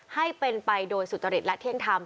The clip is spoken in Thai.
ให้เป็นไปโดยสุจริตและเที่ยงธรรม